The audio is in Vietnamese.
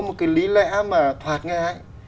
một cái lý lẽ mà thoạt nghe ấy